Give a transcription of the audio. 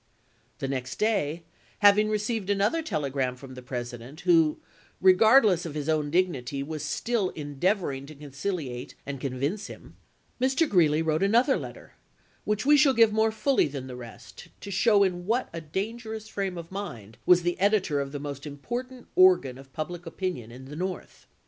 The next day, having received another telegram from the President, who, regardless of his own dig nity, was still endeavoring to conciliate and con vince him, Mr. Greeley wrote another letter, which we shall give more fully than the rest, to show in what a dangerous frame of mind was the editor of the most important organ of public opinion in the North.